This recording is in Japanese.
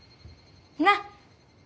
なっ！